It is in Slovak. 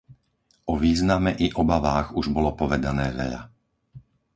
O význame i obavách už bolo povedané veľa.